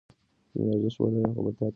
ځینې ارزښت لري او خبرتیا ته اړتیا لري.